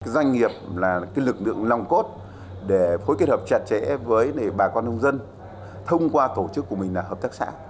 doanh nghiệp là lực lượng lòng cốt để phối kết hợp chặt chẽ với bà con nông dân thông qua tổ chức của mình là hợp tác xã